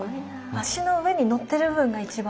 足の上に載ってる部分が一番。